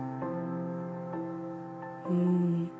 うん。